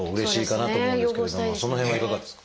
その辺はいかがですか？